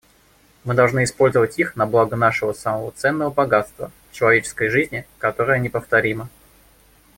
Мы должны использовать их на благо нашего самого ценного богатства — человеческой жизни, которая неповторима.